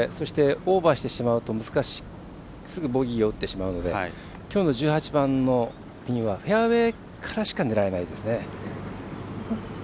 オーバーしてしまうとすぐボギーを打ってしまうのできょうの１８番のピンはフェアウエーからしか狙えないですね。